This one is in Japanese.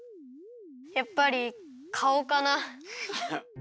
やっぱりかおかな。